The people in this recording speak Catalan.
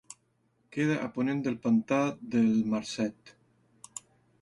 Queda a ponent del Pantà del Marcet.